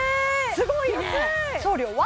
すごいね送料は？